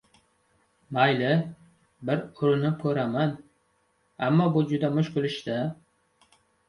— Mayli, bir urinib ko‘raman. Ammo bu juda mushkul ish-da...